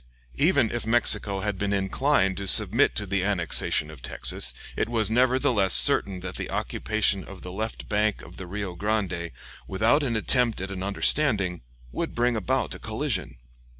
Even if Mexico had been inclined to submit to the annexation of Texas, it was nevertheless certain that the occupation of the left bank of the Rio Grande, without an attempt at an understanding, would bring about a collision.